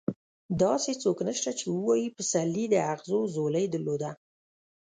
داسې څوک نشته چې ووايي پسرلي د اغزو ځولۍ درلوده.